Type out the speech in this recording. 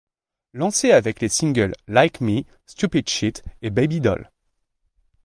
Lancé avec les singles Like Me, Stupid Shit et Baby Doll.